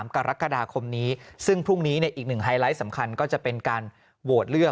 กรกฎาคมนี้ซึ่งพรุ่งนี้อีกหนึ่งไฮไลท์สำคัญก็จะเป็นการโหวตเลือก